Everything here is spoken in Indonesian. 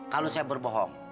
kalau saya berbohong